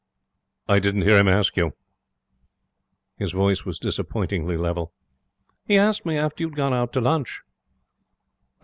'I didn't hear him ask you.' His voice was disappointingly level. 'He asked me after you had gone out to lunch.'